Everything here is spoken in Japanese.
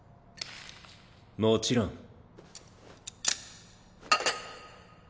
もちろん。